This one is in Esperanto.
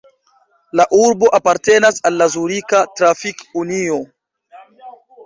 La urbo apartenas al la Zurika Trafik-Unio.